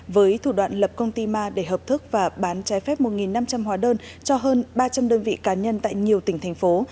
với thủ đoạn lập công ty ma để hợp thức và bán trái phép một năm trăm linh hóa đơn cho hơn ba trăm linh đơn vị cá nhân tại nhiều tỉnh thành phố